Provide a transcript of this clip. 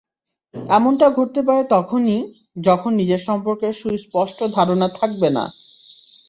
এমনটা ঘটতে পারে তখনই, যখন নিজের সম্পর্কে সুস্পষ্ট ধারণা থাকবে না।